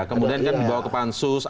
kemudian kan dibawa ke pansus